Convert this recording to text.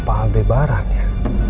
apa halde barang ya